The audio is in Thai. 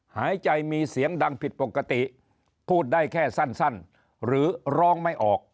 หายใจมีเสียงดังผิดปกติพูดได้แค่สั้นหรือร้องไม่ออก